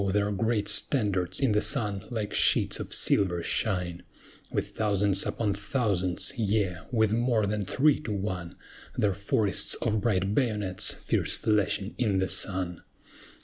their great standards in the sun like sheets of silver shine: With thousands upon thousands, yea, with more than three to one, Their forests of bright bayonets fierce flashing in the sun.